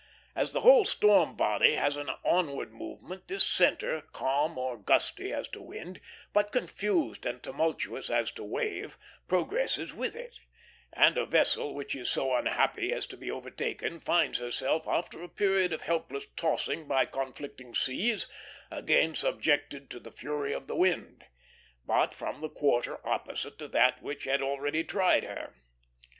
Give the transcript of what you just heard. As the whole storm body has an onward movement, this centre, calm or gusty as to wind, but confused and tumultuous as to wave, progresses with it; and a vessel which is so unhappy as to be overtaken finds herself, after a period of helpless tossing by conflicting seas, again subjected to the full fury of the wind, but from the quarter opposite to that which has already tried her.